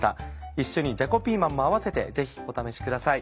一緒に「じゃこピーマン」も合わせてぜひお試しください。